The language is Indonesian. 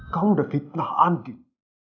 kamu sudah fitnah andien